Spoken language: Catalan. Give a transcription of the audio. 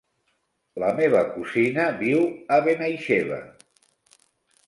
La meva cosina viu a Benaixeve.